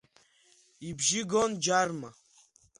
Ибжьы гон Џьарма.